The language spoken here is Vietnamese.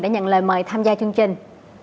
đã nhận lời mời tham gia chương trình